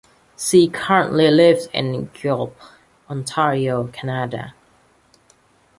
She currently lives in Guelph, Ontario, Canada.